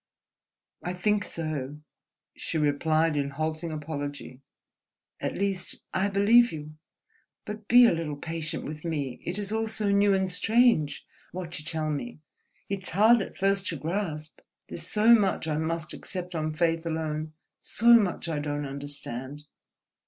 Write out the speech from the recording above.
"I think so," she replied in halting apology—"at least, I believe you. But be a little patient with me. It is all so new and strange, what you tell me, it's hard at first to grasp, there's so much I must accept on faith alone, so much I don't understand